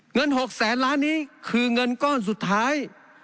เงิน๖แสนล้านนี้คือเงินก้อนสุดท้าย